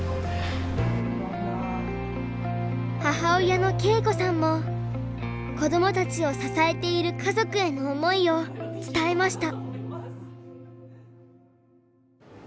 母親の恵子さんも子どもたちを支えている家族への思いを伝えました。